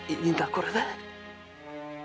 これで。